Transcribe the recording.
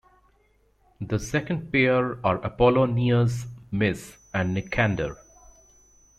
The second pair are Apollonius Mys and Nicander.